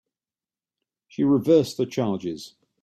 She reversed the charges.